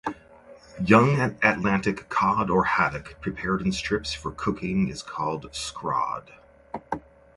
Young Atlantic cod or haddock prepared in strips for cooking is called scrod.